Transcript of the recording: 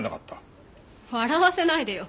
笑わせないでよ。